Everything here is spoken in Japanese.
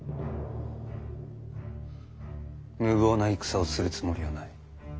無謀な戦をするつもりはない。